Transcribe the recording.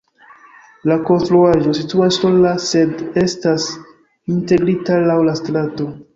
La konstruaĵo situas sola, sed estas integrita laŭ la strato.